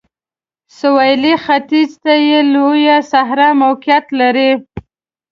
سویلي ختیځ ته یې لویه صحرا موقعیت لري.